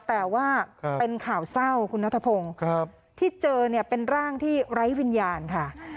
แต่ว่าเป็นข่าวเศร้าคุณนัทพงศ์ที่เจอเนี่ยเป็นร่างที่ไร้วิญญาณค่ะ